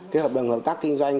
cái hợp đồng hợp tác kinh doanh